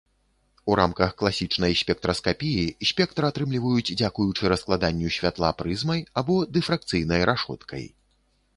У рамках класічнай спектраскапіі спектр атрымліваюць дзякуючы раскладанню святла прызмай або дыфракцыйнай рашоткай.